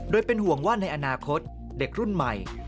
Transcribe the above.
โดยเป็นห่วงว่าในอนาคตเด็กรุ่นใหม่